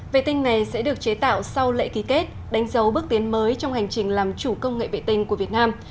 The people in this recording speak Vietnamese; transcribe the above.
vệ tinh này sẽ được chế tạo sau lễ ký kết đánh dấu bước tiến mới trong hành trình làm chủ công nghệ vệ tinh của việt nam